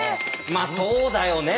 まあそうだよね。